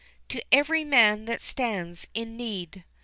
"To every man that stands in need."